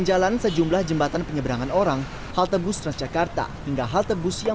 jalan sejumlah jembatan penyeberangan orang haltebus transjakarta hingga haltebus yang